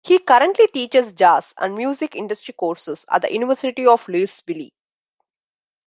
He currently teaches jazz and music industry courses at the University of Louisville.